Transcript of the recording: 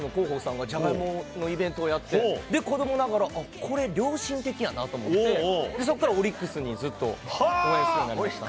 オリックスの広報さんがジャガイモのイベントやってて、子どもながらにこれ、良心的やなと思って、そこからオリックスにずっと、応援するようになりました。